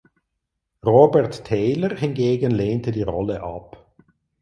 Robert Taylor hingegen lehnte die Rolle ab.